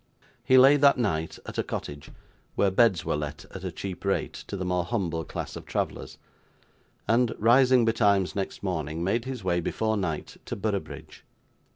He lay, that night, at a cottage, where beds were let at a cheap rate to the more humble class of travellers; and, rising betimes next morning, made his way before night to Boroughbridge.